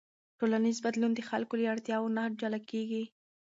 ټولنیز بدلون د خلکو له اړتیاوو نه جلا کېږي.